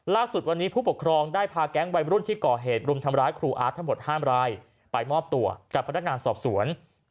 ล่าสุดวันนี้ผู้ปกครองได้พาแก๊งวัยรุ่นที่ก่อเหตุรุมทำร้ายครูอาร์ตทั้งหมด๕รายไปมอบตัวกับพนักงานสอบสวน